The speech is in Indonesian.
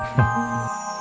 kau bisa jaga diri